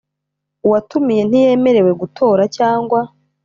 Uwatumiwe ntiyemerewe gutora cyangwa